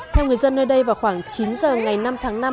theo người dân nơi đây vào khoảng chín giờ ngày năm tháng năm